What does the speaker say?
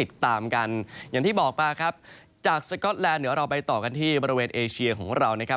ติดตามกันอย่างที่บอกไปครับจากสก๊อตแลนดเดี๋ยวเราไปต่อกันที่บริเวณเอเชียของเรานะครับ